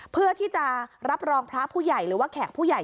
เพื่อที่จะรับรองพระผู้ใหญ่หรือว่าแขกผู้ใหญ่